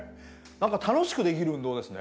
何か楽しくできる運動ですね。